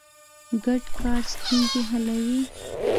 ګډ کار ستونزې حلوي.